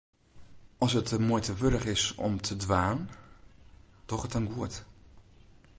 As it de muoite wurdich is om te dwaan, doch it dan goed.